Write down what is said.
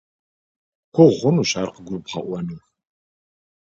Гугъу хъунущ ар къыгурыбгъэӏуэну.